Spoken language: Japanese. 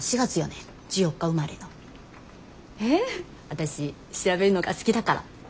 私調べるのが好きだから。